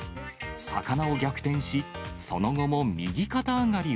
魚を逆転し、その後も右肩上がり